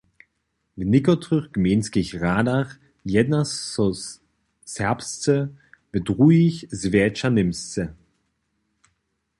W někotrych gmejnskich radach jedna so serbsce, w druhich zwjetša němsce.